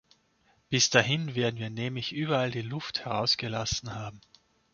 Bis dahin werden wir nämlich überall die Luft herausgelassen haben.